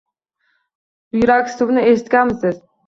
Buyraksuvni eshitganmisiz?